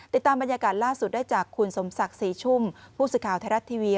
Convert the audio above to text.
ติดตามบรรยากาศล่าสุดได้จากคุณสมศักดิ์ศรีชุ่มผู้สื่อข่าวไทยรัฐทีวี